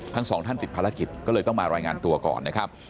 ทั้งสองท่านติดภารกิจก็เลยต้องมารายงานตัวก่อนนะครับ